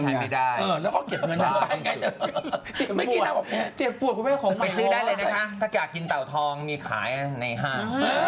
มันใช้ไม่ได้เหรอ